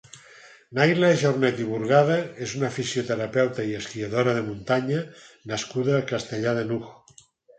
Naila Jornet i Burgada és una fisioterapeuta i esquiadora de muntanya nascuda a Castellar de n'Hug.